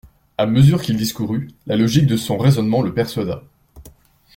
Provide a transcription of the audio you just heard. A mesure qu'il discourut, la logique de son raisonnement le persuada.